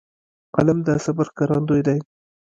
قلم د صبر ښکارندوی دی